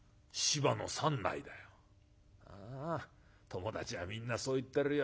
友達はみんなそう言ってるよ